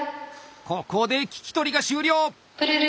ここで聞き取りが終了。